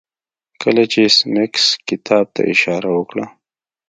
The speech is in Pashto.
کله چې ایس میکس کتاب ته اشاره وکړه